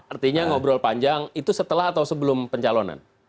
artinya ngobrol panjang itu setelah atau sebelum pencalonan